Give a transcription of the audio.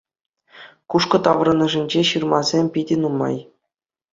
Кушкӑ таврашӗнче ҫырмасем питӗ нумай.